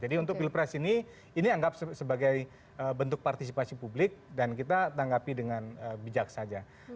untuk pilpres ini ini anggap sebagai bentuk partisipasi publik dan kita tanggapi dengan bijak saja